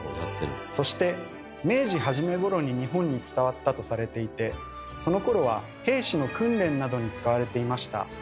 そして明治初めごろに日本に伝わったとされていてそのころは兵士の訓練などに使われていました。